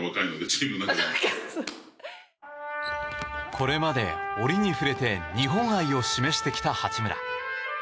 これまで折に触れて日本愛を示してきた八村。